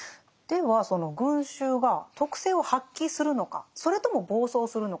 ではその群衆が徳性を発揮するのかそれとも暴走するのか。